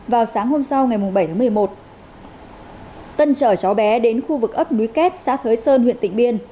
vào sáng hôm sau ngày bảy tháng một mươi một tân chở cháu bé đến khu vực ấp núi kết xã thới sơn huyện tịnh biên